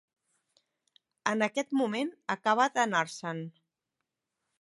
En aquest moment acaba d'anar-se'n.